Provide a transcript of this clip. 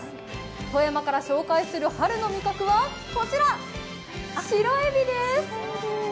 富山から紹介する春の味覚はこちら、シロエビです。